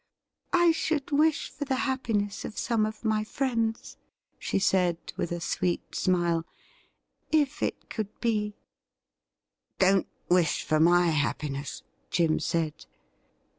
' I should wish for the happiness of some of my friends,' she said, with a sweet smile, ' if it could be.' ' Don't wish for my happiness,' Jim said.